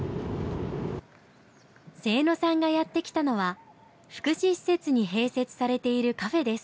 清野さんがやって来たのは福祉施設に併設されているカフェです。